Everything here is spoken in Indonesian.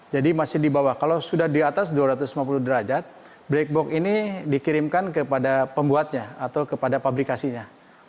masih di bawah kalau sudah di atas dua ratus lima puluh derajat black box ini dikirimkan kepada pembuatnya atau kepada pabrikasinya